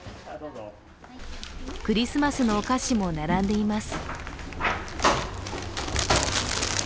クリスマスのお菓子も並んでいます。